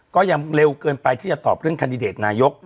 ก็ยังเร็วเกินไปที่จะตอบเรื่องคันดิเดตนายก